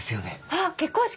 あっ結婚式！